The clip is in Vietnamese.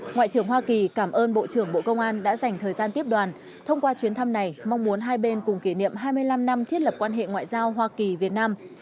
ngoại trưởng hoa kỳ cảm ơn bộ trưởng bộ công an đã dành thời gian tiếp đoàn thông qua chuyến thăm này mong muốn hai bên cùng kỷ niệm hai mươi năm năm thiết lập quan hệ ngoại giao hoa kỳ việt nam